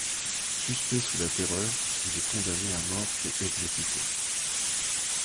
Suspect sous la Terreur, il est condamné à mort et exécuté.